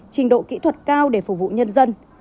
trình độ kỹ thuật cao để phục vụ nhân dân